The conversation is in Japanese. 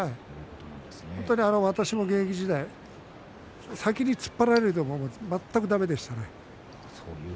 私も現役時代先に突っ張られると全くだめでしたね。